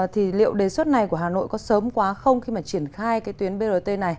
thì liệu đề xuất này của hà nội có sớm quá không khi mà triển khai cái tuyến brt này